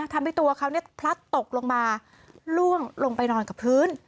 ทางทีตัวเขาเนี้ยพลัดตกลงมาล่วงลงไปนอนกับพื้น